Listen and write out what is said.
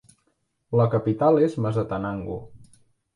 La capital és Mazatenango.